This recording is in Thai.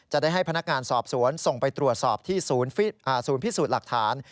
ได้ให้พนักงานสอบสวนส่งไปตรวจสอบที่ศูนย์พิสูจน์หลักฐาน